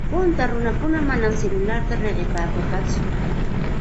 Punta runakuna manam silularta riqipaakurqatsu.